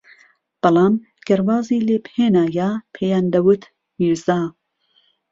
بەڵام گەر وازی لێبھێنایە پێیان دەوت میرزا